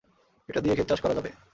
এটা দিয়ে ক্ষেত চাষ করা যাবে।